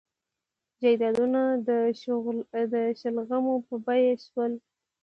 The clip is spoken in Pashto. جایدادونه د شلغمو په بیه شول.